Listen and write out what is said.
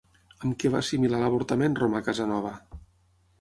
Amb què va assimilar l'avortament Romà Casanova?